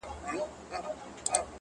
زما پښتون زما ښايسته اولس ته ـ